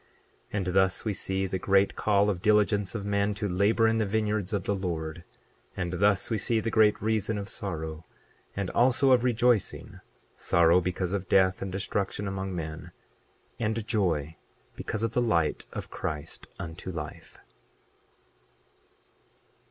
28:14 And thus we see the great call of diligence of men to labor in the vineyards of the Lord; and thus we see the great reason of sorrow, and also of rejoicing—sorrow because of death and destruction among men, and joy because of the light of Christ unto life.